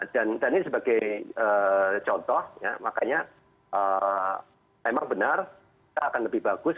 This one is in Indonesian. dan ini sebagai contoh ya makanya memang benar kita akan lebih bagus